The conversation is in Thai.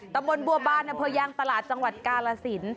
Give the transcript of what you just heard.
ตำบลบัวบ้านนพยางตลาดจังหวัดกาลสิน